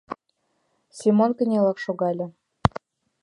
— Семон кынелак шогале.